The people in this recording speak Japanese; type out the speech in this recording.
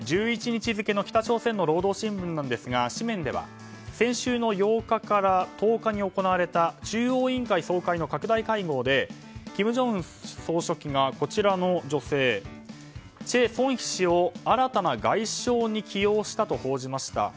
付の北朝鮮の労働新聞なんですが紙面では先週の８日から１０日に行われた中央委員会総会の拡大会合で金正恩総書記がこちらの女性、チェ・ソンヒ氏を新たな外相に起用したと報じました。